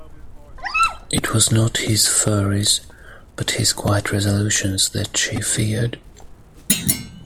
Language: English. It was not his furies, but his quiet resolutions that she feared.